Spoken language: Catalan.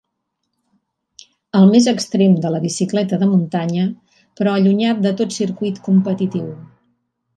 El més extrem de la bicicleta de muntanya, però allunyat de tot circuit competitiu.